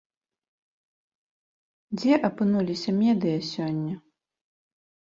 Дзе апынуліся медыя сёння?